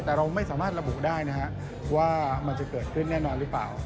แต่เราไม่สามารถระบุได้นะฮะว่ามันจะเกิดขึ้นแน่นอนหรือเปล่า